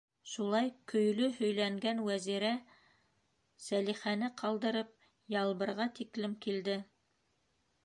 Шулай көйлө һөйләнгән Вәзирә Сәлихәне ҡалдырып Ялбырға тиклем килде.